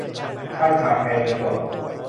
การขาดแคลนเงินสด